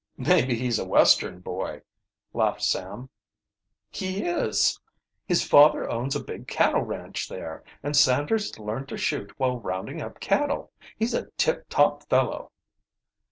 "Maybe he's a Western boy," laughed Sam. "He is. His father owns a big cattle ranch there, and Sanders learned to shoot while rounding up cattle. He's a tip top fellow."